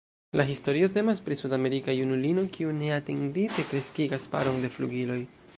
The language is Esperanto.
La historio temas pri sudamerika junulino kiu neatendite kreskigas paron de flugiloj.